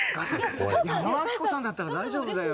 矢野顕子さんだったら大丈夫だよ。